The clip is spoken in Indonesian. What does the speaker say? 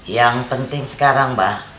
yang penting sekarang mbah